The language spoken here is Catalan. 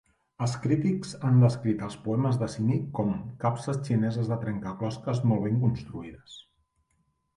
Els crítics han descrit els poemes de Simic com "capses xineses de trencaclosques molt ben construïdes".